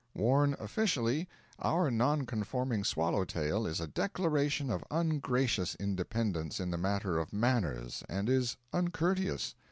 Worn officially, our nonconforming swallow tail is a declaration of ungracious independence in the matter of manners, and is uncourteous.